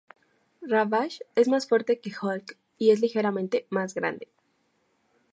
Ravage es más fuerte que Hulk y es ligeramente más grande.